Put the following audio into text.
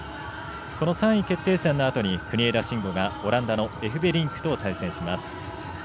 ３位決定戦のあとに国枝慎吾がオランダのエフベリンクと対戦します。